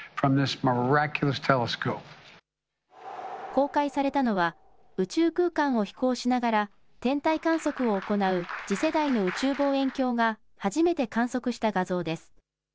公開されたのは宇宙空間を飛行しながら天体観測を行う次世代の宇宙望遠鏡が初めて観測した画像です。